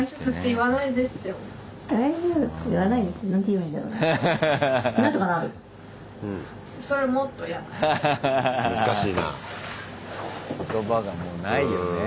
言葉がもうないよね。